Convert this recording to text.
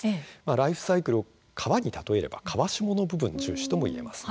ライフサイクルを川に例えれば川下の部分を重視していると言えます。